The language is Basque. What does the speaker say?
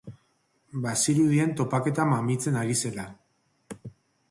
Bazirudien topaketa mamitzen ari zela.